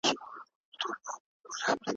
د خلګو عقیدې باید نه سپکېږي.